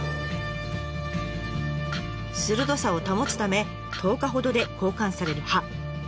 鋭さを保つため１０日ほどで交換される歯。